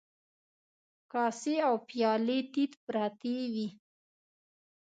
کاسې او پيالې تيت پرتې وې.